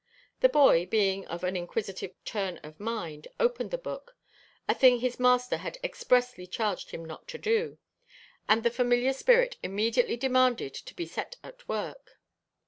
The boy, being of an inquisitive turn of mind, opened the book a thing his master had expressly charged him not to do and the familiar spirit immediately demanded to be set at work.